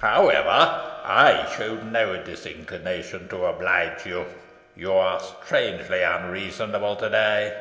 However, I showed no disinclination to oblige you. You are strangely unreasonable to day.